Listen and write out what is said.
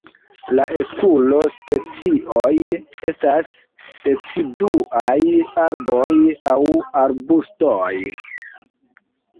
La Eskulo-specioj estas deciduaj arboj aŭ arbustoj.